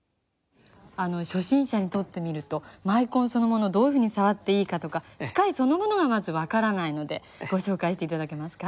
初心者にとってみるとマイコンそのものをどういうふうに触っていいかとか機械そのものがまず分からないのでご紹介して頂けますか？